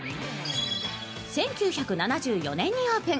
１９７４年にオープン。